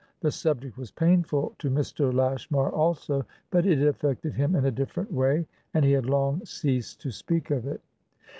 The subject was painful to Mr. Lashmar also, but it affected him in a different way, and he had long ceased to speak of it.